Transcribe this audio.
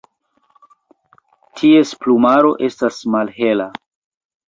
Ties plumaro estas malhela.